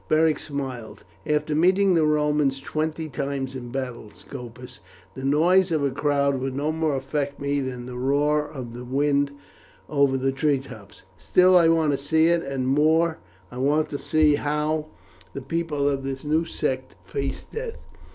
Beric smiled. "After meeting the Romans twenty times in battle, Scopus, the noise of a crowd would no more affect me than the roar of the wind over the treetops. Still I want to see it; and more, I want to see how the people of this new sect face death.